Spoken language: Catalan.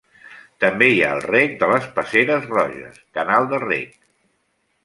També hi ha el Rec de les Passeres Roges, canal de rec.